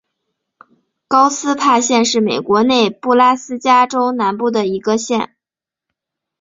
高斯帕县是美国内布拉斯加州南部的一个县。